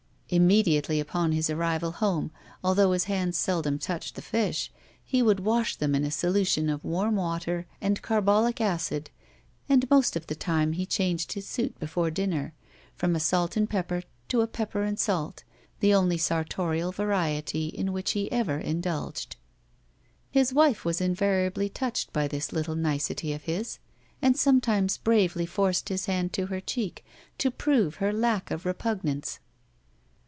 Immediately upon his arrival home, although his hands seldom touched the fish, he would wash them in a solution of warm water and carbolic acid, and most of the time he changed his suit before dinner, from a salt and pepper to a pepper and salt, the only sartorial variety in which he ever indulged. His wife was invariably touched by this little nicety of his, and sometimes bravely forced his hand to her cheek to prove her lack of repugnance.